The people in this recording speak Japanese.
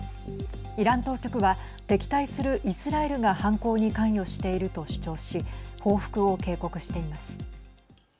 イラン当局は敵対するイスラエルが犯行に関与していると主張し報復を警告しています。